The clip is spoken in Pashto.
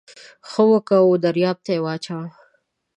ښه وکه و درياب ته يې واچوه.